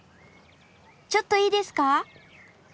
ちょっといいですか？